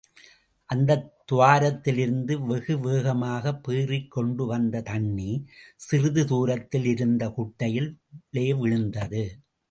அந்தத் துவாரத்திலிருந்து, வெகு வேகமாகப் பீறிக் கொண்டு வந்த தண்ணி, சிறிது தூரத்திலே இருந்த குட்டையிலே விழுந்தது.